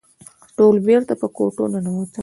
ټول بېرته په کوټو ننوتل.